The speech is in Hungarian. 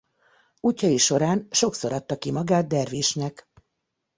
Útjai során sokszor adta ki magát dervisnek.